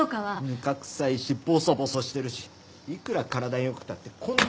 糠くさいしボソボソしてるしいくら体に良くたってこんなまずい飯。